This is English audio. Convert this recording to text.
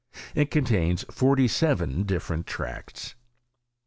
It contains forly seven different tracts.